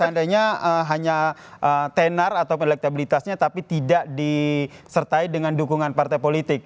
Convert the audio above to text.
seandainya hanya tenar ataupun elektabilitasnya tapi tidak disertai dengan dukungan partai politik